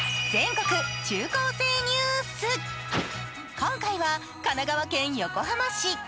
今回は神奈川県横浜市。